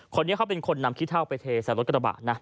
คนนี้เขาเป็นคนนำขี้เท่าไปเทใส่รถกระบะนะ